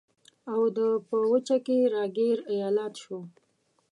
اَوَد په وچه کې را ګیر ایالت شو.